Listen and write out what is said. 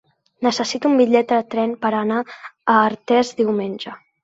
Necessito un bitllet de tren per anar a Artés diumenge.